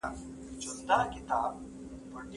سياست پروسه ده چې په واسطه يې ټاکلی کار ترسره کېږي.